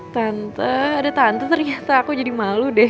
tante ada tante ternyata aku jadi malu deh